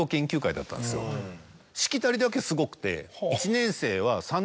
しきたりだけすごくて。